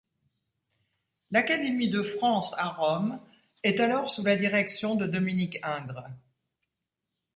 L'Académie de France à Rome est alors sous la direction de Dominique Ingres.